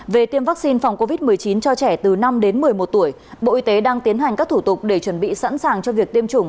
về tiêm vaccine phòng covid một mươi chín cho trẻ từ năm đến một mươi một tuổi bộ y tế đang tiến hành các thủ tục để chuẩn bị sẵn sàng cho việc tiêm chủng